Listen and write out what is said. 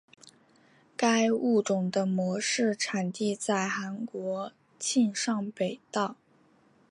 该物种的模式产地在韩国庆尚北道。